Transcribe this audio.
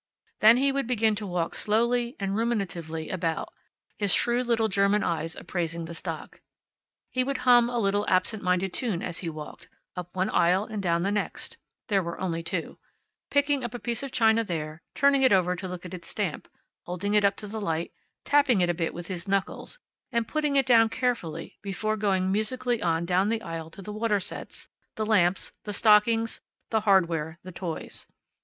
Then he would begin to walk slowly and ruminatively about, his shrewd little German eyes appraising the stock. He would hum a little absent minded tune as he walked, up one aisle and down the next (there were only two), picking up a piece of china there, turning it over to look at its stamp, holding it up to the light, tapping it a bit with his knuckles, and putting it down carefully before going musically on down the aisle to the water sets, the lamps, the stockings, the hardware, the toys.